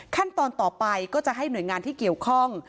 ขั้นตอนต่อไปก็จะให้หน่วยงานที่เกี่ยวข้อง